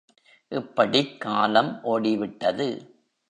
இப்படிக் காலம் ஓடிவிட்டது.